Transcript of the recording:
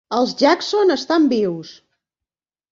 Els Jackson estan vius!